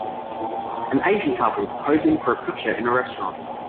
An Asian couple posing for a picture in a restaurant.